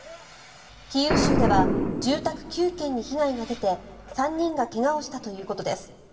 キーウ州では住宅９軒に被害が出て３人が怪我をしたということです。